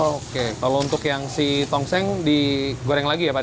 oke kalau untuk yang si tongseng digoreng lagi ya pak